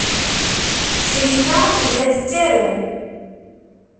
Crifa tella tettaru.